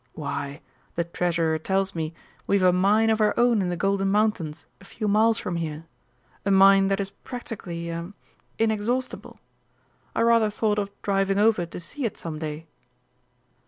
"Why, the Treasurer tells me, we've a mine of our own in the Golden Mountains a few miles from here a mine that is practically ah inexhaustible. I rather thought of driving over to see it some day."